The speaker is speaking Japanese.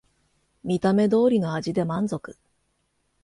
見た目通りの味で満足